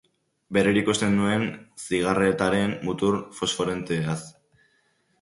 Berriro ikusten nuen zigarretaren mutur fosforeszentea.